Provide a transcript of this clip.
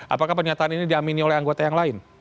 apakah pernyataan ini diamini oleh anggota yang lain